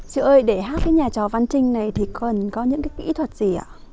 sư ơi để hát nhà trò văn trinh này thì cần có những kỹ thuật gì ạ